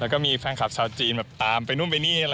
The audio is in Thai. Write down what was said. แล้วก็มีฟันคลับชาวจีนตามไปนู่นไปนี่